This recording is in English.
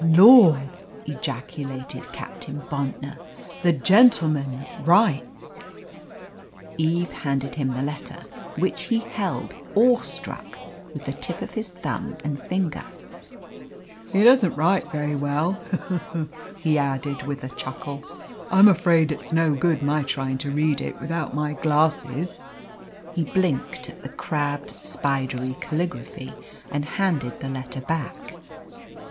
'" "Lor!" ejaculated Captain Bontnor, "the gentleman that writes." Eve handed him the letter, which he held, awestruck, with the tip of his thumb and finger. "He doesn't write very well he, he!" he added, with a chuckle. "I'm afraid it's no good my trying to read it without my glasses." He blinked at the crabbed spidery caligraphy, and handed the letter back.